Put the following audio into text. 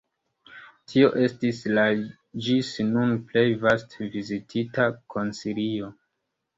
Tio estis la ĝis nun plej vaste vizitita koncilio.